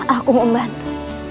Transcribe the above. aku mau membantu